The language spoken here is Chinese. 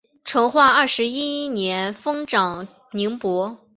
成化二十一年封长宁伯。